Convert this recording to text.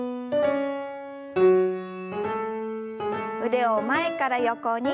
腕を前から横に。